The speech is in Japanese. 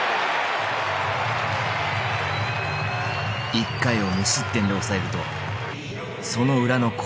１回を無失点で抑えるとその裏の攻撃。